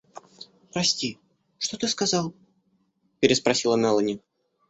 — Прости, что ты сказал? — переспросила Мелони.